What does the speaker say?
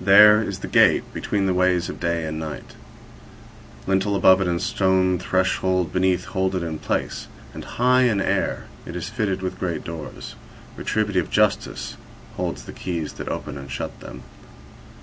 There is the gate between the ways of day and night; lintel above it, and stone threshold beneath, hold it in place, and high in air it is fitted with great doors; retributive Justice holds the keys that open and 15 shut them.